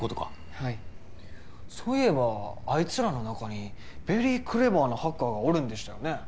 はいそういえばあいつらの中にベリークレバーなハッカーがおるんでしたよね？